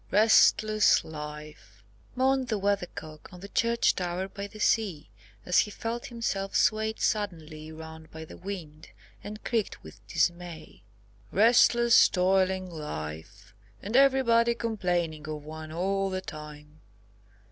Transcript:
restless life!" moaned the Weathercock on the church tower by the sea, as he felt himself swayed suddenly round by the wind, and creaked with dismay; "restless, toiling life, and everybody complaining of one all the time.